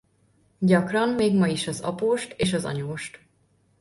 Gyakran még ma is az apóst és az anyóst.